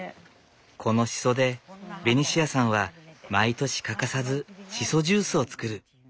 このしそでベニシアさんは毎年欠かさずしそジュースを作る。